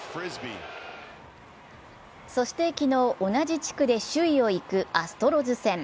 そして昨日、同じ地区で首位を行くアストロズ戦。